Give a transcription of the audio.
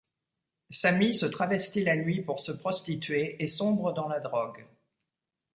Sami se travestit la nuit pour se prostituer et sombre dans la drogue.